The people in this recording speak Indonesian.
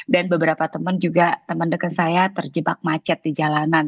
dan beberapa teman juga teman dekat saya terjebak macet di jalanan